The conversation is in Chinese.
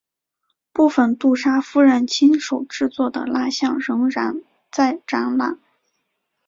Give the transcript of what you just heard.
部分杜莎夫人亲手制作的蜡象仍然在展览。